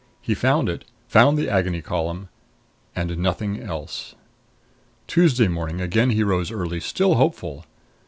He found it, found the Agony Column and nothing else. Tuesday morning again he rose early, still hopeful.